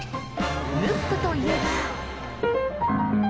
ムックといえば。